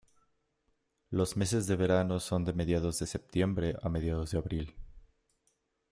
Los meses de verano son de mediados de septiembre a mediados de abril.